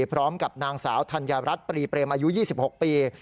พร้อมกับนางสาวธัญรัฐปรีเปรมอายุ๒๖ปี